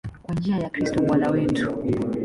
Kwa njia ya Kristo Bwana wetu.